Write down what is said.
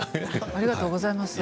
ありがとうございます。